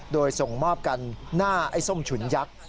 โดยส่งมอบกันหน้าไอ้ส้มฉุนยักษ์